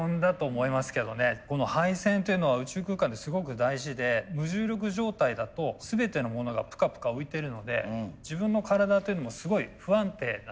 この配線というのは宇宙空間ですごく大事で無重力状態だと全てのものがぷかぷか浮いてるので自分の体というのもすごい不安定なんですよね。